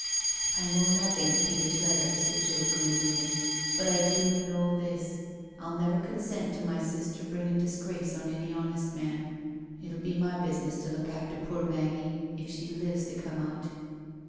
" I know nothing of Peter's letter," said Joe gloomily, " but I do know this, PU never consent to my sister bringing disgrace on any honest man. It'll be my business to look after poor Maggie, if she lives to come out."